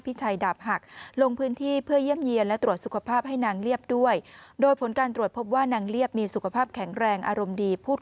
ชัยดาบหักลงพื้นที่เพื่อเยี่ยมเยี่ยนและตรวจสุขภาพให้นางเลียบด้วยโดยผลการตรวจพบว่านางเลียบมีสุขภาพแข็งแรงอารมณ์ดีพูด